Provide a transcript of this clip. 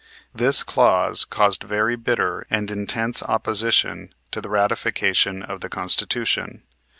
This clause caused very bitter and intense opposition to the ratification of the Constitution.